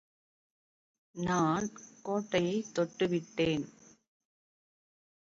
நான் கோட்டைத் தொட்டு விட்டேன்.